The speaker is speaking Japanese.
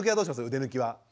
腕抜きは。